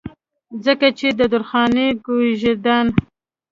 ځکه چې د درخانۍ کويژدن